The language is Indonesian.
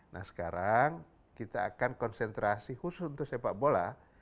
nah sekarang kita akan konsentrasi khusus untuk sepak bola